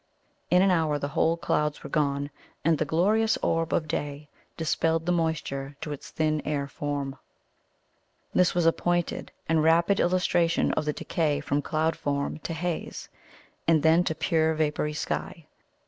In an hour the whole clouds were gone, and the glorious orb of day dispelled the moisture to its thin air form. This was a pointed and rapid illustration of the decay from cloud form to haze, and then to the pure vapoury sky.